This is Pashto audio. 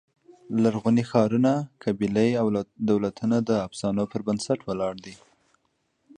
لرغوني ښارونه، قبیلې او دولتونه د افسانو پر بنسټ ولاړ دي.